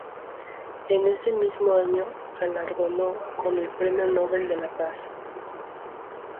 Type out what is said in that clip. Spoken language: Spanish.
En ese mismo año galardonado con el premio Nobel de la Paz.